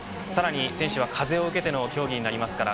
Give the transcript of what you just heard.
さらに選手は風を受けての競技になります。